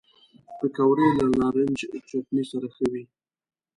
پکورې له نارنج چټني سره ښه وي